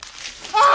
ああ！